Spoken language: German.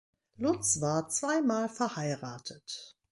Lutz war zweimal verheiratet.